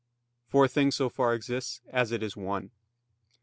For a thing so far exists as it is one.